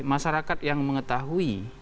masyarakat yang mengetahui